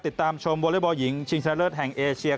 ติดตามชมบอร์เรย์บอลหญิงชิงเซนเลอร์แห่งเอเชีย